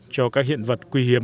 cho các hiện vật quý hiếm